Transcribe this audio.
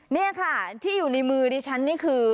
นี่ค่ะที่อยู่ในมือดิฉันนี่คือ